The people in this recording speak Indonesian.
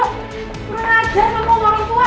kurang ajar sama orang tua